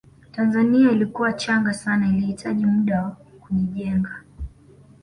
tanzania ilikuwa changa sana ilihitaji muda kujijenga